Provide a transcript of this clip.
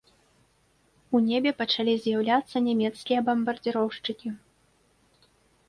У небе пачалі з'яўляцца нямецкія бамбардзіроўшчыкі.